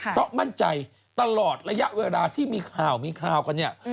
เพราะมั่นใจตลอดระยะเวลาที่มีข่าวมีข่าวกันเนี่ย